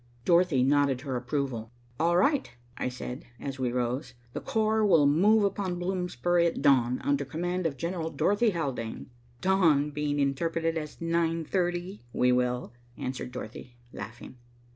Dorothy nodded her approval. "All right," I said, as we rose. "The corps will move upon Bloomsbury at dawn, under command of General Dorothy Haldane." "Dawn being interpreted nine thirty, we will," answered Dorothy laughing.